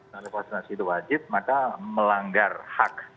kalau vaksinasi itu wajib maka melanggar hak